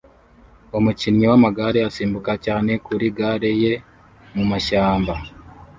Umukinnyi wamagare asimbuka cyane kuri gare ye mumashyamba